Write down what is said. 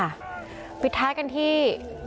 ค่ะวิทยาลัยกันที่